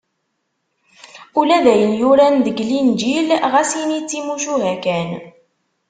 Ula d ayen yuran deg Linǧil, ɣas ini d timucuha kan.